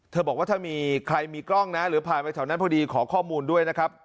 บอกว่าถ้ามีใครมีกล้องนะหรือผ่านไปแถวนั้นพอดีขอข้อมูลด้วยนะครับ